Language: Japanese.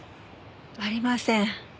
ありません。